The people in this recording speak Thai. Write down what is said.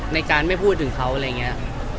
ในการไม่พูดถึงเขาอะไรอย่างนี้